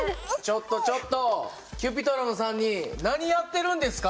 ちょっとちょっとＣｕｐｉｔｒｏｎの３人何やってるんですか？